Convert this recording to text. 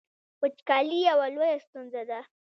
وچکالي یوه لویه ستونزه ده